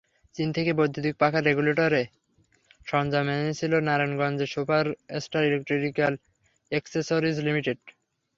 চীন থেকে বৈদ্যুতিক পাখার রেগুলেটরের সরঞ্জাম এনেছিল নারায়ণগঞ্জের সুপারস্টার ইলেকট্রিক্যাল এক্সেসরিজ লিমিটেড।